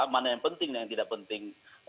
mana yang penting yang tidak penting